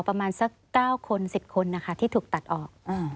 ประมาณสัก๙คน๑๐คนนะคะที่ถูกตัดออก